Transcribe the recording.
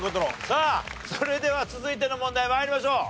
さあそれでは続いての問題参りましょう。